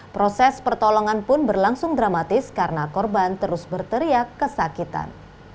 proses pertolongan pun berlangsung dramatis karena korban terus berteriak kesakitan